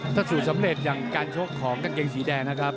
ถ้าสู้สำเร็จเพื่อการโชคของกางเกงสีแดงนะครับ